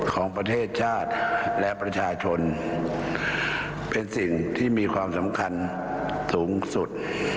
ของประเทศชาติและประชาชนเป็นสิ่งที่มีความสำคัญสูงสุด